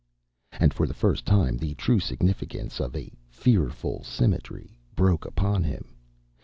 And for the first time the true significance of a "fearful symmetry" broke upon him.